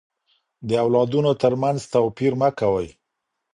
د اولادونو تر منځ توپير مه کوئ.